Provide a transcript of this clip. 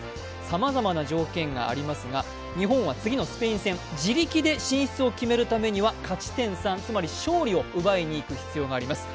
さまざまな条件がありますが日本は次のスペイン戦、自力で進出を決めるためには勝ち点３、つまり勝利を奪いにいく必要があります。